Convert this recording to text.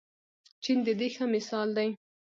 چین د دې ښه مثال دی.